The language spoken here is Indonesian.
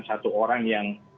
satu orang yang